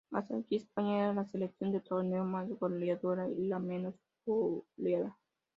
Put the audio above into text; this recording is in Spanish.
Hasta aquí, España era la selección del torneo más goleadora y la menos goleada.